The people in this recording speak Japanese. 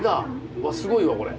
うわすごいわこれ。